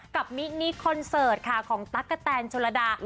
มินิคอนเสิร์ตค่ะของตั๊กกะแตนชนระดา